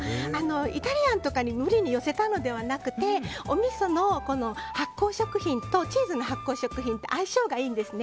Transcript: イタリアンとかに無理に寄せたのではなくておみその発酵食品とチーズの発酵食品って相性がいいんですね。